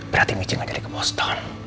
berarti michi nggak jadi ke boston